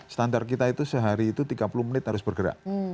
standar kita itu sehari itu tiga puluh menit harus bergerak